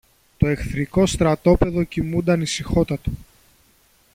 Το εχθρικό στρατόπεδο κοιμούνταν ησυχότατο.